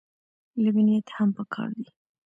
لبنیات هم پکار دي.